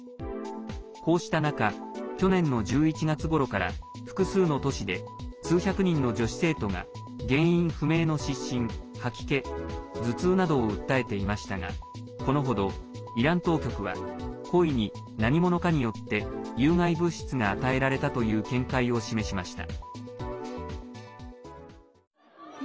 こうした中去年の１１月ごろから複数の都市で数百人の女子生徒が原因不明の失神、吐き気頭痛などを訴えていましたがこの程、イラン当局は故意に何者かによって有害物質が与えられたという見解を示しました。